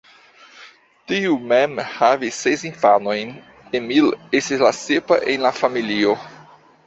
Tiu mem havis ses infanojn, Emil estis la sepa en la familio.